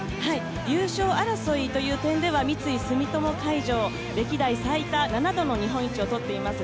優勝争いという点では三井住友海上歴代最多７度の日本一をとっています。